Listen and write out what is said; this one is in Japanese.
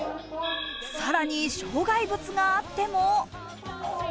さらに障害物があっても。